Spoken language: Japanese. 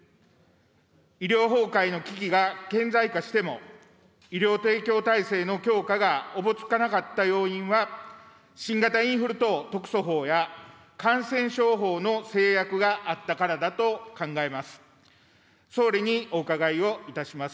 医療崩壊の危機が顕在化しても、医療提供体制の強化がおぼつかなかった要因は、新型インフル等特措法や感染症法の制約があったからだと考えます。